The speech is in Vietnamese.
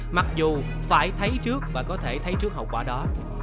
mặc dù phải thấy trước và có thể thấy trước hậu quả đó